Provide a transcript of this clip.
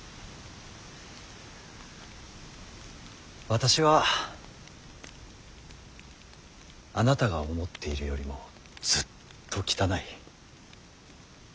私はあなたが思っているよりもずっと汚い。